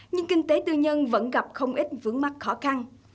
nhưng kinh tế tư nhân vẫn gặp không ít vướng mắt khó khăn